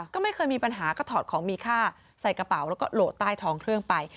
ก็ไม่เคยมีปัญหาก็ถอดของมีค่าใส่กระเป๋าแล้วก็โหลดใต้ท้องเครื่องไป